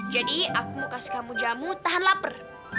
aku mau kasih kamu jamu tahan lapar